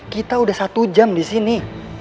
kita udah satu jam di sini